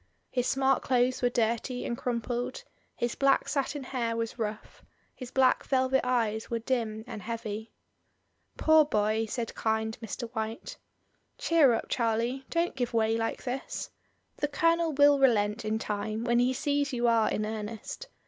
His smart clothes were dirty and crumpled, his black satin hair was rough, his black velvet eyes were dim and heavy. "Poor boy!" said kind Mr. WTiite. "Cheer up, Charlie, don't give way like this. The Colonel will relent in time when he sees you are in earnest.